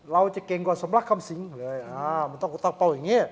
เราจะเก่งกว่าสมรักคำสิงเลยมันต้องตั้งเป้าอย่างนี้